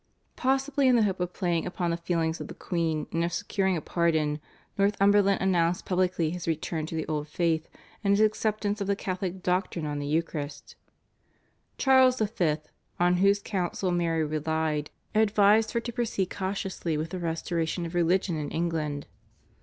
Possibly in the hope of playing upon the feelings of the queen and of securing a pardon Northumberland announced publicly his return to the old faith and his acceptance of the Catholic doctrine on the Eucharist. Charles V., on whose counsel Mary relied, advised her to proceed cautiously with the restoration of religion in England.